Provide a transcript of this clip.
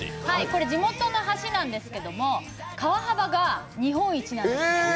地元の橋なんですけれども、川幅が日本一なんです。